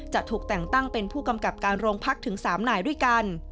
จะถูกแต่งตั้งเป็นผู้กำกับการโรงพักถึง๓นายด้วยกัน